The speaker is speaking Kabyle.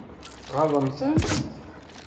Tɣaḍem-tent?